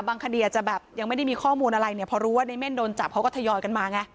คดีอาจจะแบบยังไม่ได้มีข้อมูลอะไรเนี่ยพอรู้ว่าในเม่นโดนจับเขาก็ทยอยกันมาไง